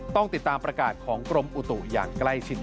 ต้องติดตามประกาศของกรมอุตุอย่างใกล้ชิด